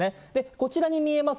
こちらに見えます